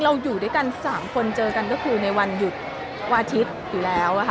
อยู่ด้วยกัน๓คนเจอกันก็คือในวันหยุดวันอาทิตย์อยู่แล้วค่ะ